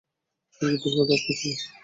যুদ্ধের ফাঁদে আটকা ছিল!